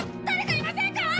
誰かいませんか！？